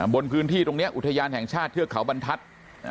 บนพื้นที่ตรงนี้อุทยานแห่งชาติเทือกเขาบรรทัศน์